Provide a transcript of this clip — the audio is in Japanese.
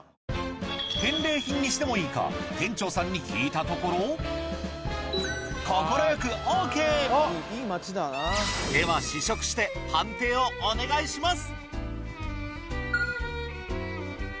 返礼品にしてもいいか店長さんに聞いたところ快くオーケー！では試食して判定をお願いします！